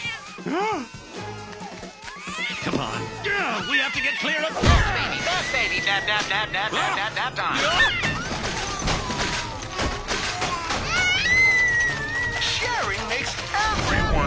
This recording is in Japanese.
うわ！